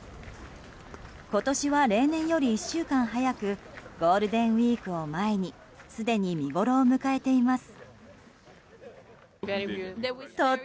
今年は、例年より１週間早くゴールデンウィークを前にすでに見ごろを迎えています。